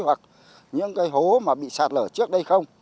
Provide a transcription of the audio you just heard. hoặc những cái hố mà bị sạt lở trước đây không